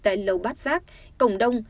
tại lầu bát giác cổng đông